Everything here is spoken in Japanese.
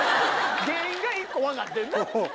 原因が１個分かってんな。